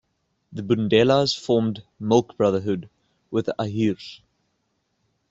The Bundelas formed "milk brotherhood" with the Ahirs.